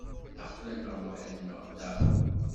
Aql-aneɣ weḥd-neɣ da.